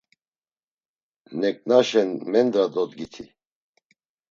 Neǩnaşen mendra dodgiti.